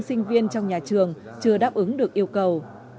sinh viên trong nhà trường chưa đáp ứng được yêu cầu